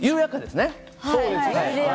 そうですね。